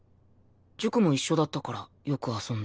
塾も一緒だったからよく遊んだ。